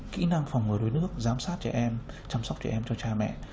kỹ năng phòng ngừa đuối nước giám sát trẻ em chăm sóc trẻ em cho cha mẹ